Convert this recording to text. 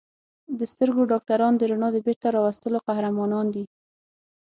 د سترګو ډاکټران د رڼا د بېرته راوستلو قهرمانان دي.